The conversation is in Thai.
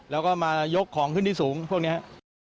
แล้วก็มายกของขึ้นที่สูงพวกนี้